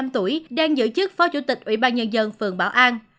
ba mươi năm tuổi đang giữ chức phó chủ tịch ubnd phường bảo an